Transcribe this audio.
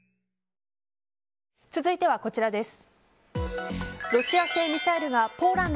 続いてはこちらです。